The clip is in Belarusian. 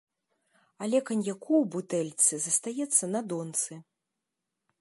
Але каньяку ў бутэльцы застаецца на донцы.